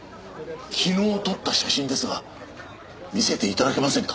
昨日撮った写真ですが見せて頂けませんか？